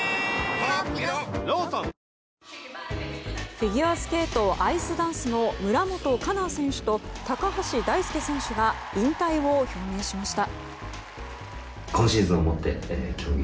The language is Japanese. フィギュアスケートアイスダンスの村元哉中選手と高橋大輔選手が引退を表明しました。